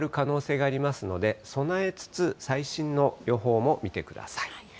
まだ変わる可能性がありますので、備えつつ、最新の予報も見てください。